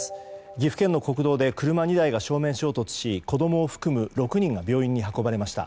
岐阜県の国道で車２台が正面衝突し子供を含む６人が病院に運ばれました。